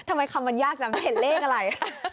ทำไมคำมันยากจังเห็นเลขอะไร